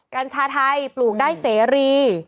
กัญชาไทยปลูกได้เสรี